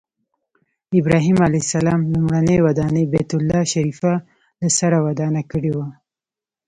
ابراهیم علیه السلام لومړنۍ ودانۍ بیت الله شریفه له سره ودانه کړې وه.